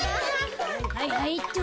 はいはいっと。